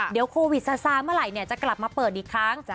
เดี๋ยวโควิดซาซาเมื่อไหร่จะกลับมาเปิดอีกครั้ง